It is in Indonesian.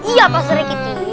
iya pak serikiti